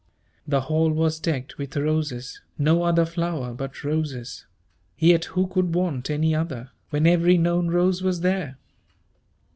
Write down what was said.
The hall was decked with roses, no other flower but roses; yet who could want any other, when every known rose was there?